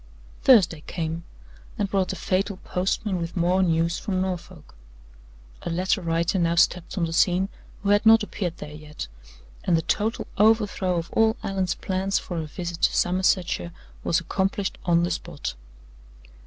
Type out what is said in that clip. Thursday came, and brought the fatal postman with more news from Norfolk. A letter writer now stepped on the scene who had not appeared there yet; and the total overthrow of all Allan's plans for a visit to Somersetshire was accomplished on the spot.